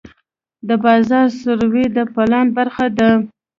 د بازار سروې د پلان برخه ده.